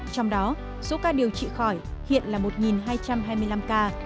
trong đó số ca điều trị khỏi hiện là một hai trăm hai mươi năm ca